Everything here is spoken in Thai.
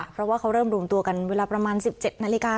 เพราะว่าเขาเริ่มรวมตัวกันเวลาประมาณ๑๗นาฬิกา